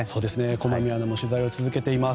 駒見アナも取材を続けています。